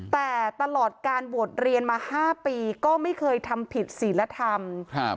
แต่ตลอดการบวชเรียนมา๕ปีก็ไม่เคยทำผิดศิลธรรม